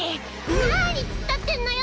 なにつっ立ってんのよ！